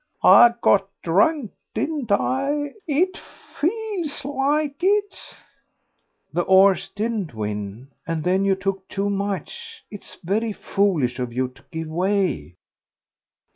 I got drunk, didn't I? It feels like it." "The 'orse didn't win, and then you took too much. It's very foolish of you to give way."